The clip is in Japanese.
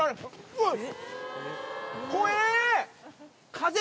うわっ！